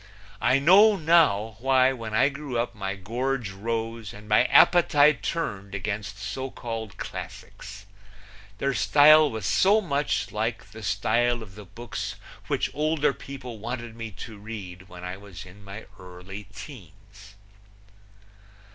I know now why when I grew up my gorge rose and my appetite turned against so called classics. Their style was so much like the style of the books which older people wanted me to read when I was in my early teens.